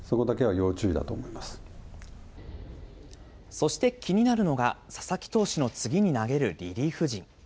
そして、気になるのが、佐々木投手の次に投げるリリーフ陣。